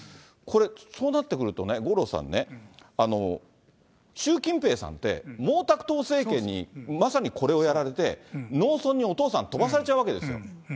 これ、そうなってくるとね、五郎さんね、習近平さんって、毛沢東政権にまさにこれをやられて、農村にお父さん、飛ばされちゃうわけですよ。